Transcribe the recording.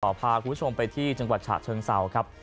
พาคุณผู้ชมไปที่จังหวัดฉะเชิงเศร้าครับ